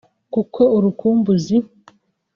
kuko urukumbuzi